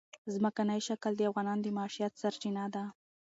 ځمکنی شکل د افغانانو د معیشت سرچینه ده.